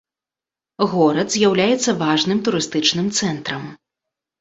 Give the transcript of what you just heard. Горад з'яўляецца важным турыстычным цэнтрам.